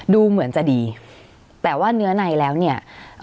ดูเหมือนจะดีแต่ว่าเนื้อในแล้วเนี่ย